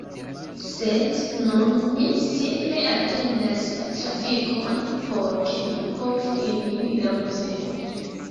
Sed nun mi simple atendas la trafikon por ke mi povu eniri la muzeo